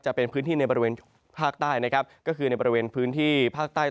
จะเป็นพื้นที่ในบริเวณภาคใต้นะครับก็คือในบริเวณพื้นที่ภาคใต้